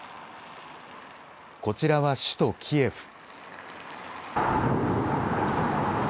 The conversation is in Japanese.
こちらは首都キエフ。